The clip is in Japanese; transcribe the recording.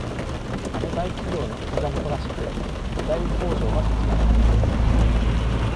あの大企業のお膝元らしく巨大工場が立ち並ぶ